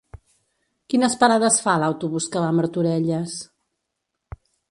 Quines parades fa l'autobús que va a Martorelles?